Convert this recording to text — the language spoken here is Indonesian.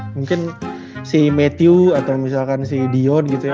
mungkin si matthew atau misalkan si dion gitu ya